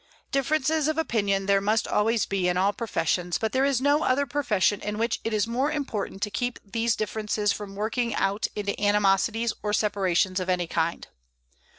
Differences of opinion there must always be in all professions, but there is no other profession in which it is more important to keep these differences from working out into animosities or separations of any kind.